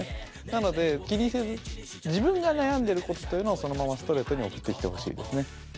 なので気にせず自分が悩んでることというのをそのままストレートに送ってきてほしいですね。